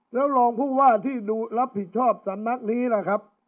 แล้วรองผู้ว่าที่รับผิดชอบสำนักนี้ล่ะครับ